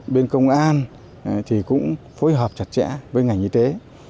bên công an thì cũng phối hợp chặt chẽ với ngành y tế